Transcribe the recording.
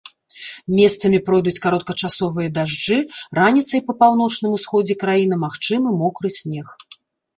Месцамі пройдуць кароткачасовыя дажджы, раніцай па паўночным усходзе краіны магчымы мокры снег.